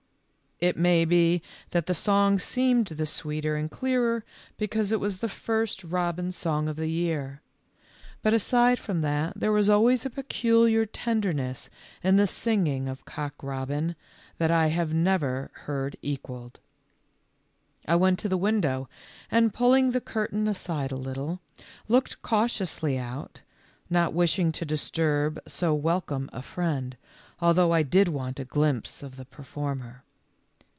It may be that the song seemed the sweeter and clearer because it was the first robin song 41 42 THE LITTLE FORESTERS. of the year ; but aside from that there was always a peculiar tenderness in the singing of Cock robin that I have never heard equalled. I went to the window, and pulling the cur tain aside a little, looked cautiously out, not wishing to disturb so welcome a friend, although I did want a glimpse of the performer.